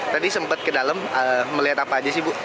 tadi sempat ke dalam melihat apa aja sih bu